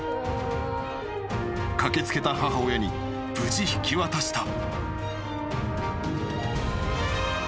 ［駆け付けた母親に無事引き渡した］